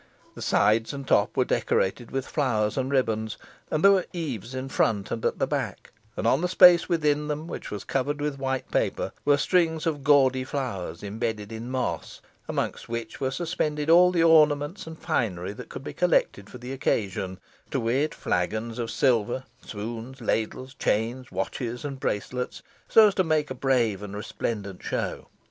The sides and top were decorated with flowers and ribands, and there were eaves in front and at the back, and on the space within them, which was covered with white paper, were strings of gaudy flowers, embedded in moss, amongst which were suspended all the ornaments and finery that could be collected for the occasion: to wit, flagons of silver, spoons, ladles, chains, watches, and bracelets, so as to make a brave and resplendent show.